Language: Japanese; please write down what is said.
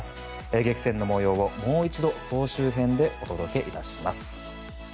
激戦の模様を、もう一度総集編でお届けいたします。